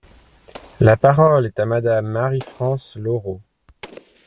La parole est à Madame Marie-France Lorho.